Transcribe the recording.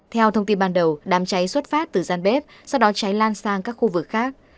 theo thông tin ban đầu đám cháy xuất phát từ gian bếp sau đó cháy lan sang các khu vực khác